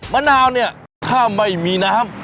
มะนาวเนี่ยถ้าไม่มีน้ำ